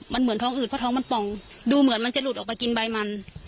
มันเหมือนท้องอืดเพราะท้องมันป่องดูเหมือนมันจะหลุดออกมากินใบมัน